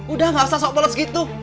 udah mah paksa sok polos gitu